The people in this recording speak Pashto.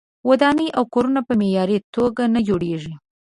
ودانۍ او کورونه په معیاري توګه نه جوړیږي.